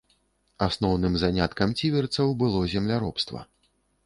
Асноўным заняткам ціверцаў было земляробства.